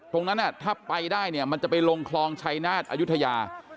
ตรงนั้นถ้าไปได้เนี่ยมันจะไปลงคลองชัยนาฏอายุทยา